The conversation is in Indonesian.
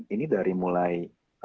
ini dari mulai